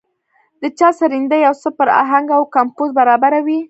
د چا سرېنده يو څه پر اهنګ او کمپوز برابره وي.